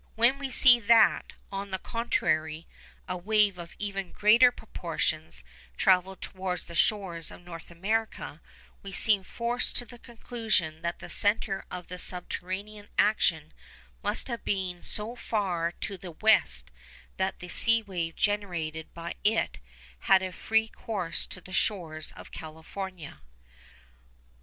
When we see that, on the contrary, a wave of even greater proportions travelled towards the shores of North America, we seem forced to the conclusion that the centre of the subterranean action must have been so far to the west that the sea wave generated by it had a free course to the shores of California.